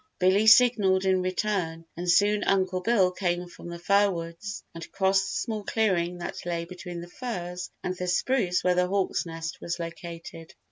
Billy signalled in return and soon Uncle Bill came from the fir woods and crossed the small clearing that lay between the firs and the spruce where the hawk's nest was located.